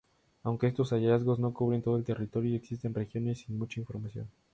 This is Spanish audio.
Aunque estos hallazgos no cubren todo el territorio y existen regiones sin mucha información.